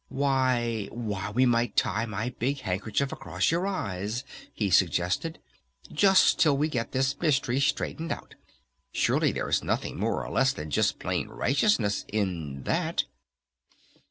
"Why why we might tie my big handkerchief across your eyes," he suggested. "Just till we get this mystery straightened out. Surely there is nothing more or less than just plain righteousness in that!"